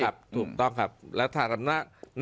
ถูกต้องครับแล้วทางอำนาจ